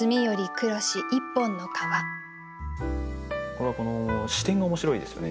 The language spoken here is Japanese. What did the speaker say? これはこの視点が面白いですよね。